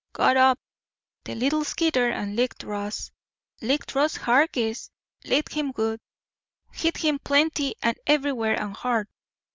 Got up, the little skeeter, and licked Ross. Licked Ross Hargis. Licked him good. Hit him plenty and everywhere and hard.